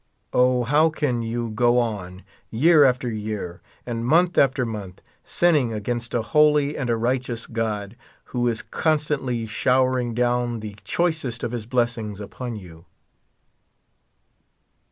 O, how can you go on, year after year, and month after month, sinning against a holy and a righteous God, who is constantl}^ sliowering down the choicest of his blessings upon you?